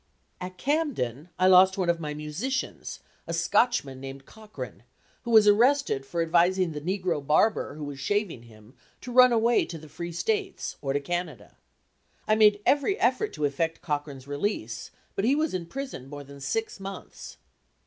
At Camden I lost one of my musicians, a Scotchman named Cochran, who was arrested for advising the negro barber who was shaving him to run away to the Free States or to Canada. I made every effort to effect Cochran's release, but he was imprisoned more than six months.